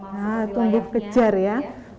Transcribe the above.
nah tumbuh kejar ya